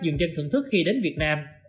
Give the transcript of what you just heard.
dường dân thưởng thức khi đến việt nam